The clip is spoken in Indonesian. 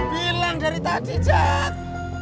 bilang dari tadi jack